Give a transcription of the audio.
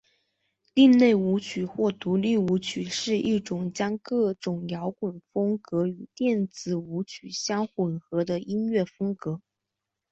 另类舞曲或独立舞曲是一种将各种摇滚风格与电子舞曲相混合的音乐风格。